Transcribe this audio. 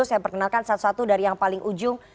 saya perkenalkan satu satu dari yang paling ujung